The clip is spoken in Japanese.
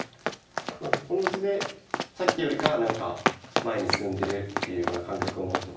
この図でさっきよりかは前に進んでるっていうような感覚を持ってほしいんですよ。